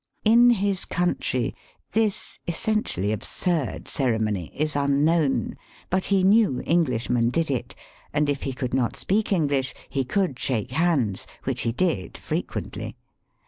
In his country this essentially absurd cere mony is unknown ; but he knew Englishmen did it, and if he could not speak English he could shake hands, which he did frequently.